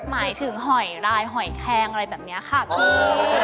หมายถึงหอยรายหอยแคงอะไรแบบนี้ค่ะพี่